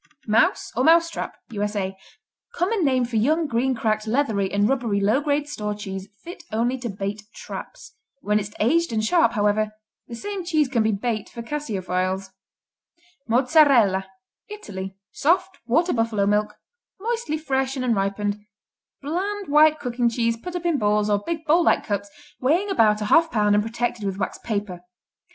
Mouse or Mouse Trap U.S.A. Common name for young, green, cracked, leathery or rubbery low grade store cheese fit only to bait traps. When it's aged and sharp, however, the same cheese can be bait for caseophiles. Mozzarella Italy Soft; water buffalo milk; moistly fresh and unripened; bland, white cooking cheese put up in balls or big bowl like cups weighing about a half pound and protected with wax paper.